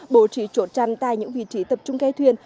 bố trí chốt chặn tại những vị trí tập trung ghe thuyền